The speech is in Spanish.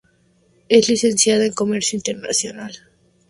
Es licenciada en comercio internacional.